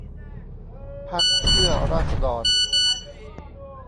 พรรคเพื่อราษฎร